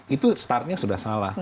itu startnya sudah salah